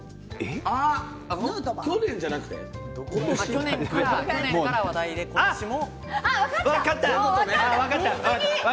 去年から話題で今年も。